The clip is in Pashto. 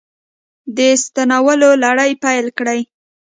د ستنولو لړۍ پیل کړې